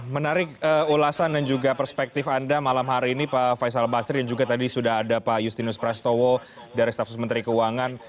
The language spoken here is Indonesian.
menarik ulasan dan juga perspektif anda malam hari ini pak faisal basri dan juga tadi sudah ada pak justinus prastowo dari staf sus menteri keuangan